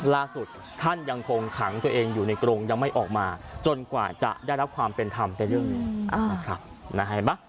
ล่าสุดท่านยังคงขังตัวเองอยู่ในกรงยังไม่ออกมาจนกว่าจะได้รับความเป็นธรรมในเรื่องนี้นะครับ